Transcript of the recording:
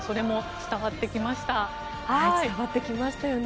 伝わってきましたよね。